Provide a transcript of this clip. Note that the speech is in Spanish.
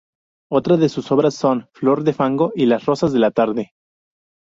Otras de sus obras son: flor de fango y las rosas de la tarde